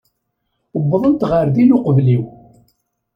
Uwḍent ɣer din uqbel-iw.